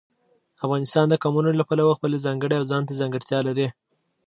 افغانستان د قومونه له پلوه خپله ځانګړې او ځانته ځانګړتیا لري.